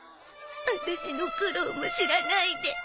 ワタシの苦労も知らないで。